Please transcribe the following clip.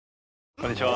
こんにちは。